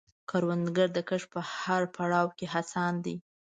کروندګر د کښت په هر پړاو کې هڅاند دی